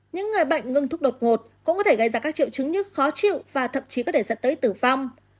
những người bệnh ngừng thuốc đột ngột cũng có thể gây ra các triệu chứng như khó chịu và thậm chí có thể dẫn tới tử vong